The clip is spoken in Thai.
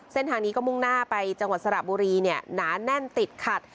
เส้นทางนี้ก็มุ่งหน้าไปจังหวัดสระบุรีเนี่ยหนาแน่นติดขัด